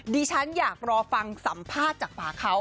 ฉันอยากรอฟังสัมภาษณ์จากฝาเขา